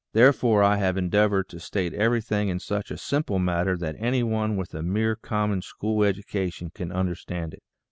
Therefore I have endeavored to state everything in such a simple manner that any one with a mere common school education can understand it.